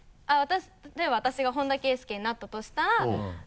例えば私が本田圭佑になったとしたら。